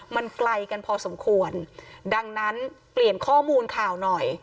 มันไกลกันพอสมควรดังนั้นเปลี่ยนข้อมูลข่าวหน่อย